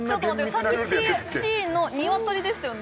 さっきＣのニワトリでしたよね？